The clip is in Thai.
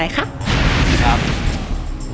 อียมขอบคุณครับ